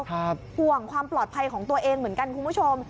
ห่วงความปลอดภัยของตัวเองเหมือนกันคุณผู้ชม